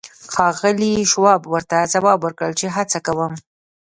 ښاغلي شواب ورته ځواب ورکړ چې هڅه کوم